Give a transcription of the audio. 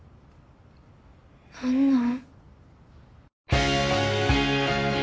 何なん？